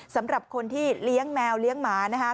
สำหรับคนที่เลี้ยงแมวเลี้ยงหมานะคะ